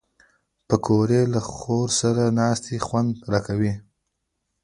پکورې له خور سره ناستې خوند راولي